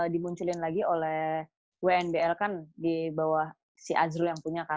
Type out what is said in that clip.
dimunculin lagi oleh wnbl kan di bawah si azrul yang punya kan